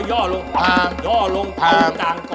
ย่อลง